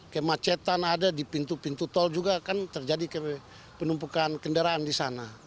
kemacetan ada di pintu pintu tol juga kan terjadi penumpukan kendaraan di sana